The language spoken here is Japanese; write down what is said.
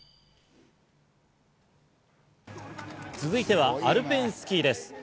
続いてはアルペンスキーです。